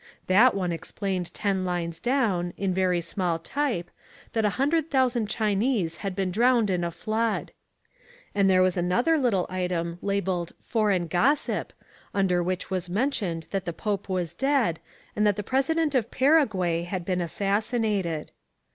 That one explained ten lines down, in very small type, that a hundred thousand Chinese had been drowned in a flood. And there was another little item labelled "Foreign Gossip," under which was mentioned that the Pope was dead, and that the President of Paraguay had been assassinated.